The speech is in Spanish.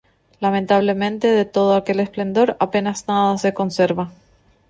Lamentablemente, de todo aquel esplendor apenas nada se conserva.